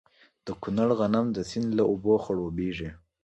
د کونړ غنم د سیند له اوبو خړوبیږي.